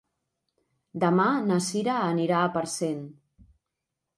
Demà na Sira anirà a Parcent.